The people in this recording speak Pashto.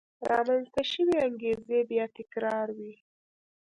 رامنځته شوې انګېزې بیا تکرار وې.